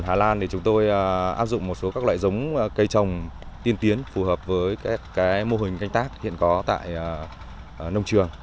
hà lan chúng tôi áp dụng một số các loại giống cây trồng tiên tiến phù hợp với mô hình canh tác hiện có tại nông trường